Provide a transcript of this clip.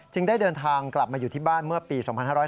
ได้เดินทางกลับมาอยู่ที่บ้านเมื่อปี๒๕๕๙